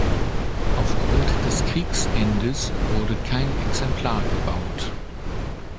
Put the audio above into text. Aufgrund des Kriegsendes wurde kein Exemplar gebaut.